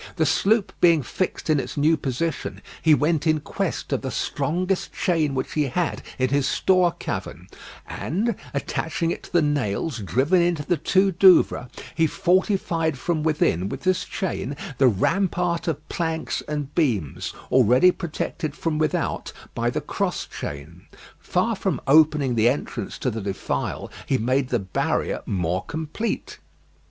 The sloop being fixed in its new position, he went in quest of the strongest chain which he had in his store cavern, and attaching it to the nails driven into the two Douvres, he fortified from within with this chain the rampart of planks and beams, already protected from without by the cross chain. Far from opening the entrance to the defile, he made the barrier more complete.